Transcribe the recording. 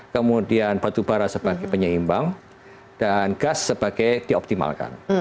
kemudian batu bara sebagai penyeimbang dan gas sebagai dioptimalkan